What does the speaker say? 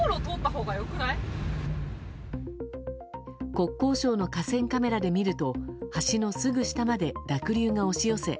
国交省の河川カメラで見ると橋のすぐ下まで濁流が押し寄せ